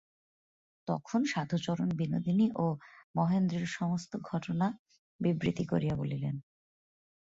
তখন সাধুচরণ বিনোদিনী ও মহেন্দ্রের সমস্ত ঘটনা বিবৃত করিয়া বলিলেন।